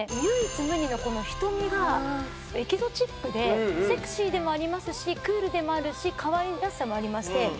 唯一無二のこの瞳がエキゾチックでセクシーでもありますしクールでもあるし可愛らしさもありまして。